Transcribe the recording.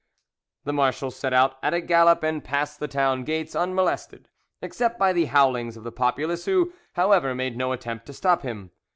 The marshal set out at a gallop, and passed the town gates unmolested, except by the howlings of the populace, who, however, made no attempt to stop him.